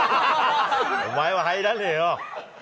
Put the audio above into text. お前は入らねえよ。